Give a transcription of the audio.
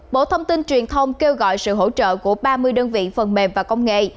bộ thông tin truyền thông kêu gọi sự hỗ trợ của ba mươi đơn vị phần mềm và công nghệ